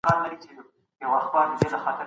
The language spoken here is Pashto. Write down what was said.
په ساده ژبه خپله موضوع خلګو ته بیان کړئ.